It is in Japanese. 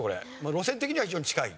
路線的には非常に近い。